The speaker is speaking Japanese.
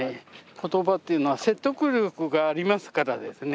言葉っていうのは説得力がありますからですね